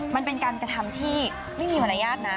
มันเป็นการกระทำที่ไม่มีมารยาทนะ